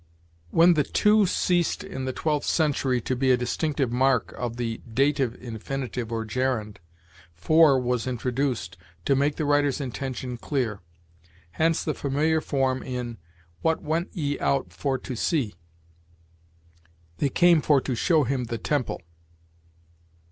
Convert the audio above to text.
When the to ceased in the twelfth century to be a distinctive mark of the dative infinitive or gerund, for was introduced to make the writer's intention clear. Hence the familiar form in 'what went ye out for to see?' 'they came for to show him the temple.'"